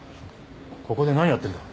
ここで何やってるんだ？